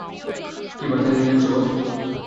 কি বার্তা নিয়ে যাচ্ছ?